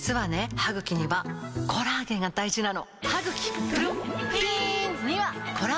歯ぐきにはコラーゲンが大事なの！